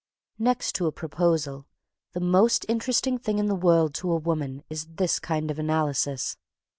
Next to a proposal, the most interesting thing in the world to a woman is this kind of analysis.